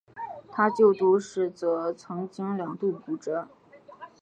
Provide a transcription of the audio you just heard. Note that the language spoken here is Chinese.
他就读时则曾经两度骨折。